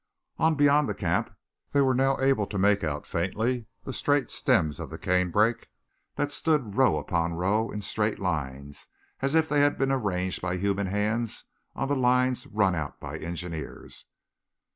On beyond the camp they were now able to make out faintly the straight stems of the canebrake that stood row upon row in straight lines, as if they had been arranged by human hands on the lines run out by engineers.